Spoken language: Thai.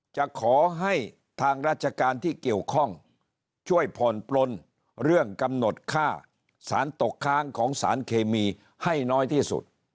จะขอให้ทางราชการที่เกี่ยวข้องช่วยผ่อนปลนเรื่องกำหนดค่าสารตกค้างของสารเคมีให้น้อยที่สุด